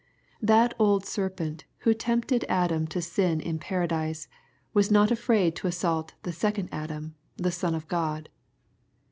That old serpent who tempted Adam to sin in Paradise, was not afraid to assault the second Adam, the Son of God.